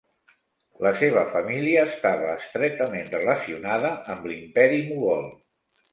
La seva família estava estretament relacionada amb l'imperi mogol.